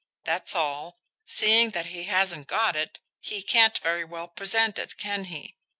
That's all. Seeing that he hasn't got it, he can't very well present it can he?